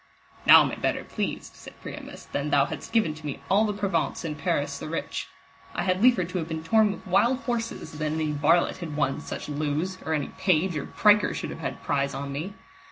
Now am I better pleased, said Priamus, than thou hadst given to me all the Provence and Paris the rich. I had liefer to have been torn with wild horses, than any varlet had won such loos, or any page or priker should have had prize on me.